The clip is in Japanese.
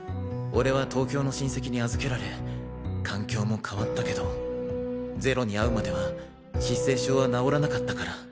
俺は東京の親戚に預けられ環境も変わったけどゼロに会うまでは失声症は治らなかったから。